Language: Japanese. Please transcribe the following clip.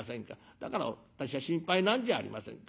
だから私は心配なんじゃありませんか。